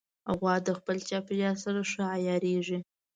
غوا د خپل چاپېریال سره ښه عیارېږي.